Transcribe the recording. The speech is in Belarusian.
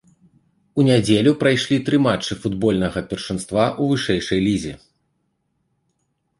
У нядзелю прайшлі тры матчы футбольнага першынства ў вышэйшай лізе.